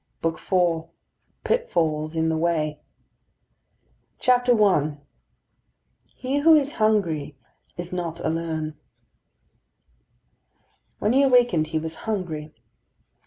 BOOK IV PITFALLS IN THE WAY I HE WHO IS HUNGRY IS NOT ALONE When he awakened he was hungry.